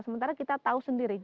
sementara kita tahu sendiri